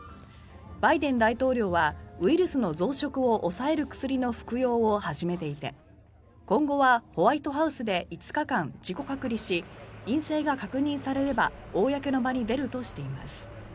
バイデン大統領はウイルスの増殖を抑える薬の服用を始めていて今後はホワイトハウスで５日間自己隔離し陰性が確認されれば公の場に出るとしています。